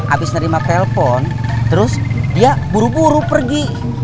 abis nerima telepon terus dia buru buru pergi